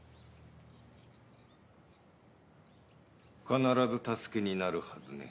必ず助けになるはずね。